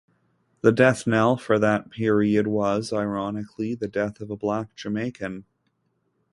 The death knell for that period was, ironically, the death of a black Jamaican.